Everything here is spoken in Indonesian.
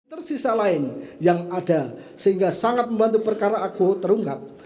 tersisa lain yang ada sehingga sangat membantu perkara aku terungkap